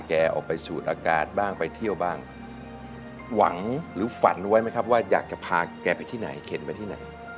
ออกไปสูดอากาศบ้างไปเที่ยวบ้างหวังหรือฝันไว้ไหมครับว่าอยากจะพาแกไปที่ไหนเข็นไปที่ไหน